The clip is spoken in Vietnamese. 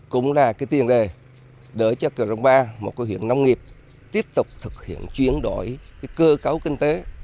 cũng là cái tiền đề để cho crompa một cái huyện nông nghiệp tiếp tục thực hiện chuyển đổi cơ cấu kinh tế